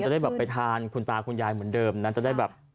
ได้แบบไปทานคุณตาคุณยายเหมือนเดิมนะจะได้แบบ